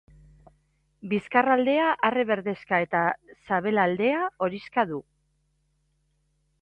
Bizkarraldea arre berdexka eta sabelaldea horixka du.